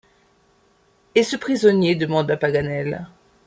Et ce prisonnier ? demanda Paganel.